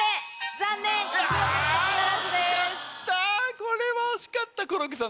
これは惜しかったコロッケさん